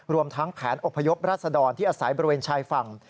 รวมทั้งแผนอพยพรัศดรที่อาศัยบริเวณชายฝั่ง